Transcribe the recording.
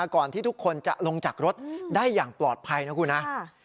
ก่อนที่ทุกคนจะลงจากรถได้อย่างปลอดภัยนะครับ